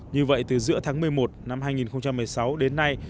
như vậy từ giữa tháng một mươi một năm hai nghìn một mươi sáu đến nay